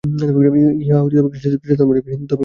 ইহা খ্রীষ্টধর্মে যেমন, হিন্দুধর্মেও তেমনি।